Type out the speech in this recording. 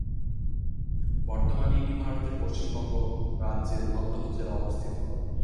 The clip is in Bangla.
বর্তমানে এটি ভারতের পশ্চিমবঙ্গ রাজ্যের মালদহ জেলা অবস্থিত।